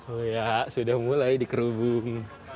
oh ya sudah mulai dikerubung